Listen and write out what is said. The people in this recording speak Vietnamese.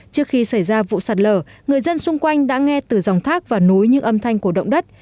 trước khi xảy ra vụ sạt lở người dân xung quanh đã nghe từ dòng thác và nối những âm thanh của động đất